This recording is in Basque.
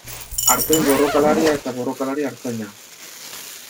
Artzain borrokalaria eta borrokalari artzaina.